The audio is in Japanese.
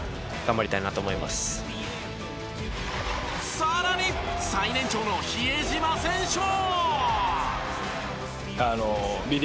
さらに最年長の比江島選手も。